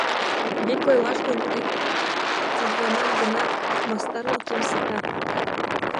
Вик ойлаш гын, ик тидланак гына мастарлыкем сита.